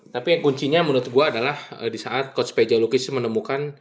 tapi yang kuncinya menurut gue adalah disaat coach peja lukis menemukan